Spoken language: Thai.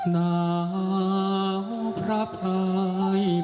นาวพระพลายป่าว